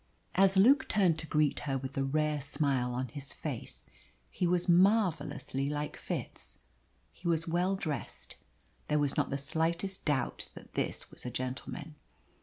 As Luke turned to greet her with the rare smile on his face he was marvellously like Fitz. He was well dressed. There was not the slightest doubt that this was a gentleman.